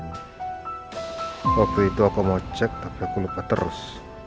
waktu itu aku mau cek tapi aku lupa terus